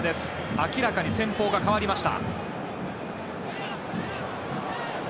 明らかに戦法が変わりました。